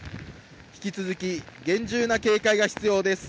引き続き厳重な警戒が必要です。